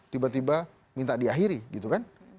tiba tiba minta diakhiri gitu kan